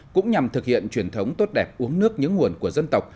cũng nhằm thực hiện truyền thống tốt đẹp uống nước những nguồn của dân tộc